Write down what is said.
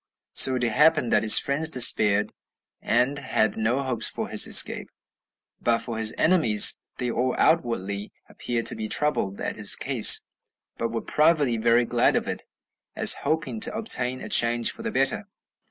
So it happened that his friends despaired, and had no hopes of his escape; but for his enemies, they all outwardly appeared to be troubled at his case, but were privately very glad of it, as hoping to obtain a change for the better.